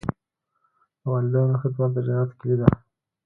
د والدینو خدمت د جنت کلي ده.